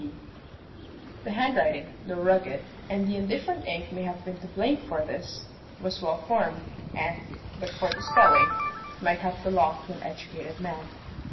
P. The handwriting, though rugged and the indifferent ink may have been to blame for this was well formed, and, but for the spelling, might have belonged to an educated man.